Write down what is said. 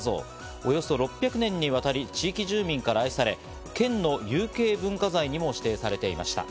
およそ６００年にわたり地域住民から愛され、県の有形文化財にも指定されていました。